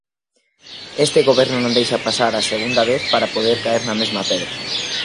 Este goberno non deixa pasar a segunda vez para poder caer na mesma pedra.